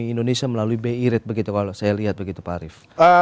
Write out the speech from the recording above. ada juga pertumbuhan ekonomi indonesia melalui bi rate begitu kalau saya lihat begitu pak arief